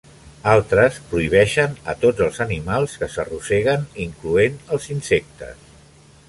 Altres prohibeixen a tots els animals que s'arrosseguen, incloent els insectes.